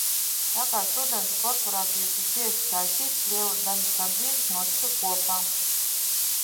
Tā kā studentu korporācijas bija cieši saistītas, liela daļa sadzīves notika kopā.